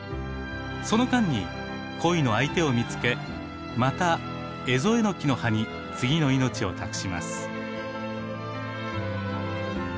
その間に恋の相手を見つけまたエゾエノキの葉に次の命を託します。